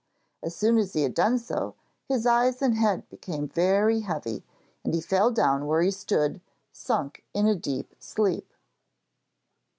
As soon as he had done so, his eyes and head became very heavy, and he fell down where he stood, sunk in a deep sleep.